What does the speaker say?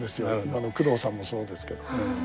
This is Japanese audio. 工藤さんもそうですけど。